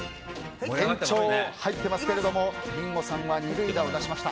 延長に入っていますがリンゴさんは２塁打を出しました。